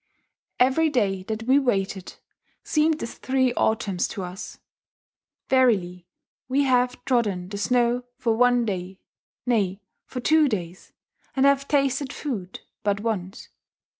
Every day that we waited seemed as three autumns to us. Verily we have trodden the snow for one day, nay, for two days, and have tasted food but once.